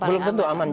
belum tentu aman juga